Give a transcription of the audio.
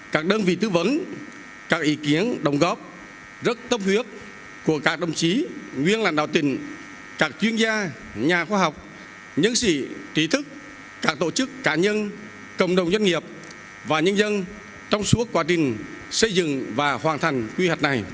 các đơn vị tư vấn các ý kiến đồng góp rất tâm huyết của các đồng chí nguyên lãnh đạo tỉnh các chuyên gia nhà khoa học nhân sĩ trí thức các tổ chức cá nhân cộng đồng doanh nghiệp và nhân dân trong suốt quá trình xây dựng và hoàn thành quy hoạch này